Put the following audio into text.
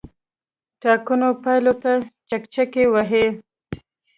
ټاکنو پایلو ته چکچکې وهي.